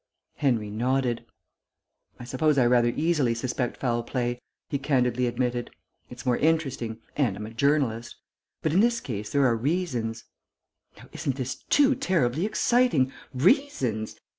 Henry nodded. "I suppose I rather easily suspect foul play," he candidly admitted. "It's more interesting, and I'm a journalist. But in this case there are reasons " "Now isn't this too terribly exciting! Reasons!